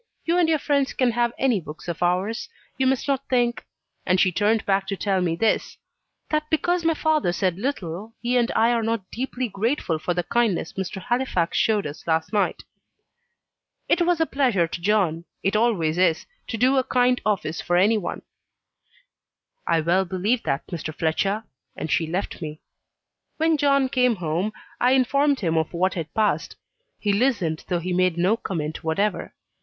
You and your friend can have any books of ours. You must not think" and she turned back to tell me this "that because my father said little he and I are not deeply grateful for the kindness Mr. Halifax showed us last night." "It was a pleasure to John it always is to do a kind office for any one." "I well believe that, Mr. Fletcher." And she left me. When John came home I informed him of what had passed. He listened, though he made no comment whatever.